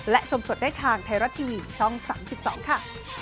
และชมสดได้ทางไทยรัฐทีวีช่อง๓๒ค่ะ